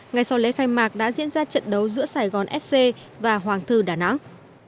ngay sau lễ khai mạc đã diễn ra trận đấu giữa sài gòn fc và hoàng thư đà nẵng